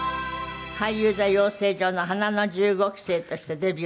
俳優座養成所の花の１５期生としてデビューなさいました。